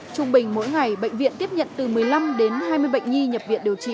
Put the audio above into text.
trung bình mỗi ngày bệnh viện tiếp nhận từ một mươi năm đến hai mươi bệnh nhi nhập viện điều trị